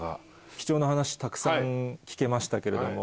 貴重な話たくさん聞けましたけれども。